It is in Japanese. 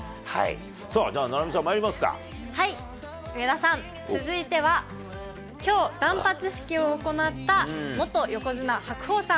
さあ、上田さん、続いてはきょう、断髪式を行った元横綱・白鵬さん。